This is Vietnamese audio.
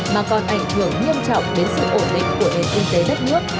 mà còn ảnh hưởng nghiêm trọng đến sự ổn định của nền kinh tế đất nước